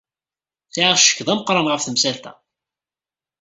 Sɛiɣ ccek d ameqran ɣef temsalt-a.